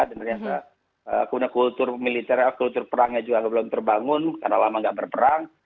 dan kena kultur militer kultur perangnya juga belum terbangun karena lama nggak berperang